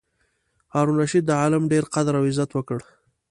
هارون الرشید د عالم ډېر قدر او عزت وکړ.